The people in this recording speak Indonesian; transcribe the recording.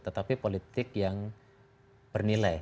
tetapi politik yang bernilai